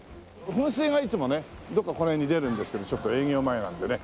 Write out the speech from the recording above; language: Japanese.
噴水がいつもねどこかこの辺に出るんですけどちょっと営業前なんでね。